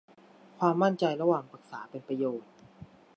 ความมั่นใจระหว่างปรึกษาเป็นประโยชน์